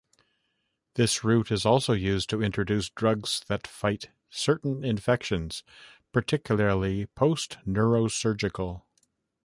This route is also used to introduce drugs that fight certain infections, particularly post-neurosurgical.